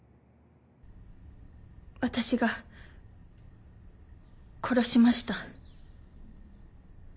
私が殺しました。